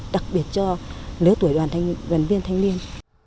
đặc biệt cho lứa tuổi đoàn gần viên thanh niên